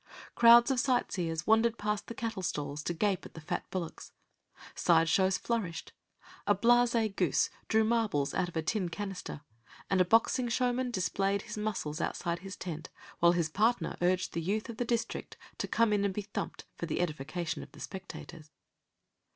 Crowds of sightseers wandered past the cattle stalls to gape at the fat bullocks; side shows flourished, a blase goose drew marbles out of a tin canister, and a boxing showman displayed his muscles outside his tent, while his partner urged the youth of the district to come in and be thumped for the edification of the spectators.